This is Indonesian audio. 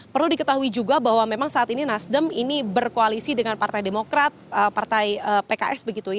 perlu diketahui juga bahwa memang saat ini nasdem ini berkoalisi dengan partai demokrat partai pks